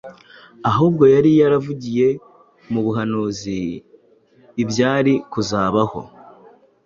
ahubwo yari yaravugiye mu buhanuzi ibyari kuzabaho,